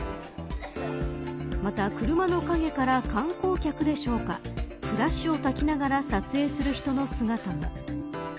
また、車の影から観光客でしょうかフラッシュをたきながら撮影する人の姿も。